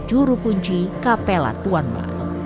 juru kunci kapela tuan ma